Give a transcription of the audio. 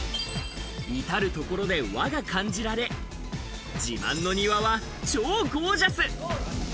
至るところで、和が感じられ、自慢の庭が超ゴージャス。